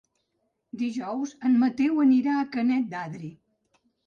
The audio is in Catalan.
Dijous en Mateu anirà a Canet d'Adri.